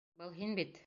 Был һин бит?